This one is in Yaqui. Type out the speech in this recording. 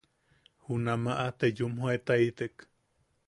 Junamaʼa te yumjoetaitek.